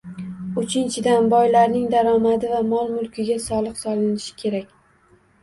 Uchinchidan, boylarning daromadi va mol -mulkiga soliq solinishi kerak